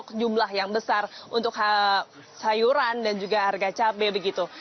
mereka harus memasuk jumlah yang besar untuk sayuran dan juga harga cabai begitu